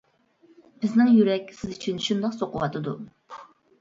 بىزنىڭ يۈرەك سىز ئۈچۈن شۇنداق سوقۇۋاتىدۇ.